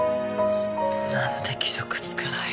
何で既読つかない？